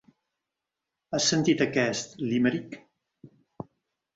Has sentit aquest limerick?